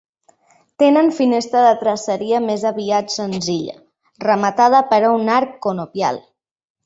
Tenen finestra de traceria més aviat senzilla, rematada per un arc conopial.